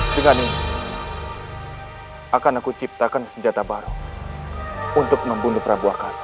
dengan ini akan aku ciptakan senjata baru untuk membunuh prabu akasa